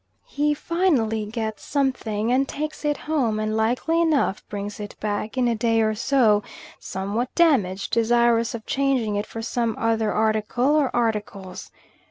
He finally gets something and takes it home, and likely enough brings it back, in a day or so, somewhat damaged, desirous of changing it for some other article or articles.